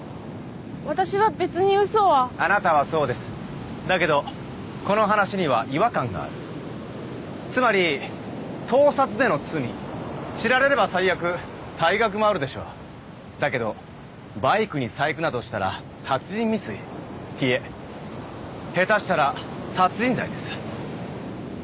私は別にウソはあなたはそうですだけどこの話には違和感があるつまり盗撮での罪知られれば最悪退学もあるでしょうだけどバイクに細工などしたら殺人未遂いえ下手したら殺人罪です